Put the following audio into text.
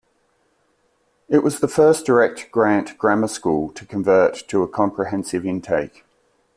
It was the first direct grant grammar school to convert to a comprehensive intake.